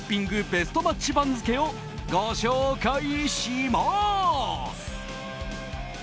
ベストマッチ番付をご紹介します！